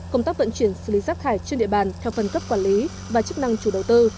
công tác vận chuyển xử lý rác thải trên địa bàn theo phần cấp quản lý và chức năng chủ đầu tư